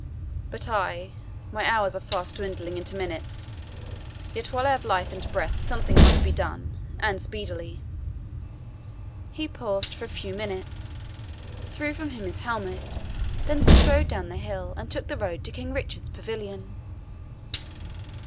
But I my hours are fast dwindling into minutes yet, while I have life and breath, something must be done, and speedily." He paused for a few minutes, threw from him his helmet, then strode down the hill, and took the road to King Richard's pavilion.